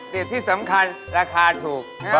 แต่ที่สำคัญราคาถูก